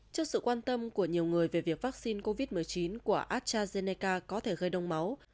trước sự quan tâm của nhiều người về việc vaccine covid một mươi chín của astrazeneca có thể gây đông máu